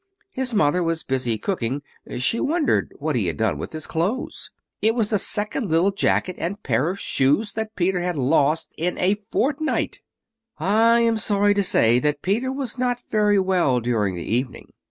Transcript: His mother was busy cooking; she wondered what he had done with his clothes. It was the second little jacket and pair of shoes that Peter had lost in a fortnight! I am sorry to say that Peter was not very well during the evening.